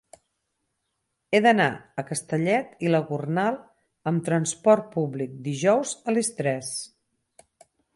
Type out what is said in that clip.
He d'anar a Castellet i la Gornal amb trasport públic dijous a les tres.